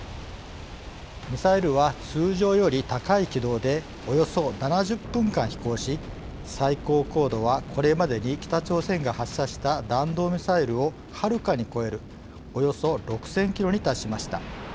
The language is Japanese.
ミサイルは通常より高い軌道でおよそ７０分間飛行し最高高度はこれまでに北朝鮮が発射した弾道ミサイルをはるかに超えるおよそ６，０００キロに達しました。